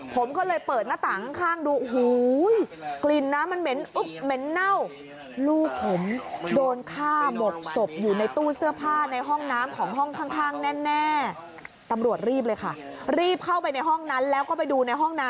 ผมก็เลยเปิดหน้าตางข้างดู